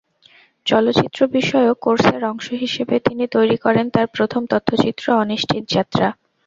চলচ্চিত্রবিষয়ক কোর্সের অংশ হিসেবে তিনি তৈরি করেন তাঁর প্রথম তথ্যচিত্র অনিশ্চিত যাত্রা।